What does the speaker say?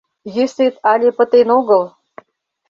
Йӧсет але пытен огыл!